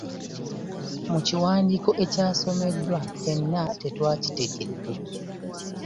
Mu kiwandiiko ekyasomeddwa ffenna tetwakitegedde.